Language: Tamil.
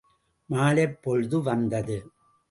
மாலைப் பொழுது வந்தது.